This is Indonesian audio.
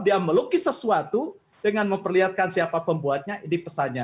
dia melukis sesuatu dengan memperlihatkan siapa pembuatnya dipesan nya